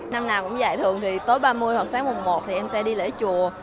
năm nào cũng dạy thượng thì tối ba mươi hoặc sáng mùa một thì em sẽ đi lễ chùa